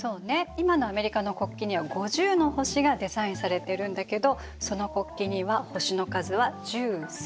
今のアメリカの国旗には５０の星がデザインされてるんだけどその国旗には星の数は１３。